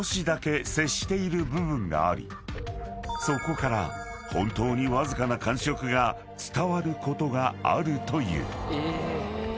［そこから本当にわずかな感触が伝わることがあるという］